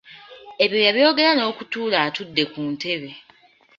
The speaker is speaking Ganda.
Ebyo yabyogera n’okutuula atudde ku ntebe.